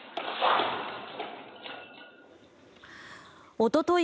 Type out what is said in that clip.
おととい